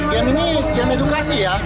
game ini game edukasi ya